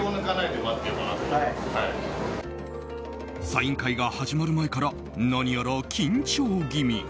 サイン会が始まる前から何やら緊張気味。